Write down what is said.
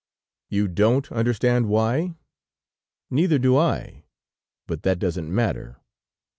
You don't understand why? Neither do I, but that does not matter.